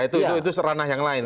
itu seranah yang lain